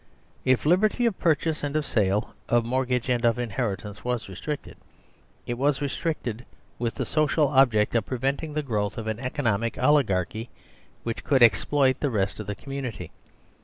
If liberty of purchase and of sale, of mortgage and of inheritance was restricted, it was restricted with the social object of preventing the growth of an economic oligarchy which could exploit the rest of the com munity.